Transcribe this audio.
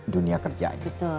dunia kerja ini